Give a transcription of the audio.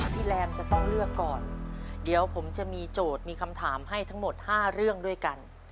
แรมจะต้องเลือกก่อนเดี๋ยวผมจะมีโจทย์มีคำถามให้ทั้งหมด๕เรื่องด้วยกัน